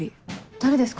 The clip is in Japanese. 誰ですか？